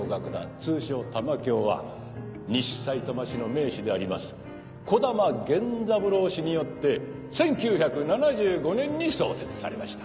通称玉響は西さいたま市の名士であります児玉源三郎によって１９７５年に創設されました。